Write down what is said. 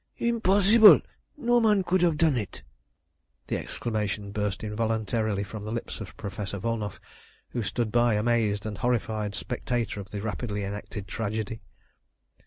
"Impossible! No man could have done it!" The exclamation burst involuntarily from the lips of Professor Volnow, who had stood by, an amazed and horrified spectator of the rapidly enacted tragedy.